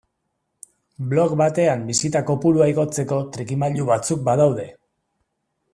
Blog batean bisita kopurua igotzeko trikimailu batzuk badaude.